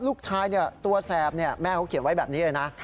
ลูกชายเนี่ยตัวแสบเนี่ยแม่เขาเขียนไว้แบบนี้เลยนะ